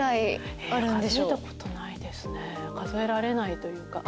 数えられないというか。